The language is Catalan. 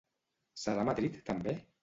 Serà a Madrid també?